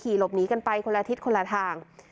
หลบหนีกันไปคนละทิศคนละทาง